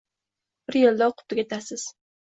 bir yilda o‘qib tugatasiz.